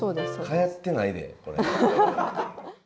はやってないでこれ。